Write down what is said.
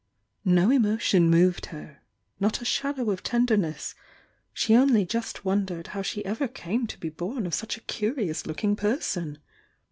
No emotion moved her, — not a shadow of tenderness, — die only just wondered how she ever came to be born of such a curious looking person